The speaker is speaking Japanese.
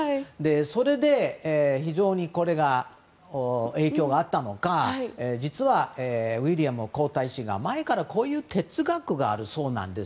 それで、非常に影響があったのか実は、ウィリアム皇太子前からこういう哲学があるそうなんです。